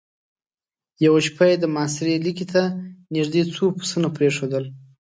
يوه شپه يې د محاصرې ليکې ته نېزدې څو پسونه پرېښودل.